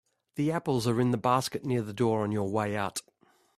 The apples are in the basket near the door on your way out.